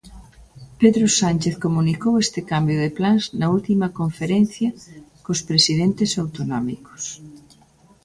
Pedro Sánchez comunicou este cambio de plans na última conferencia cos presidentes autonómicos.